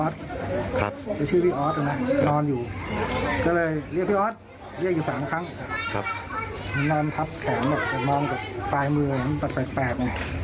ก็เลยถับแผงมองจากฝ่ายมือแบบ